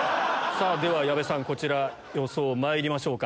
矢部さんこちら予想まいりましょうか。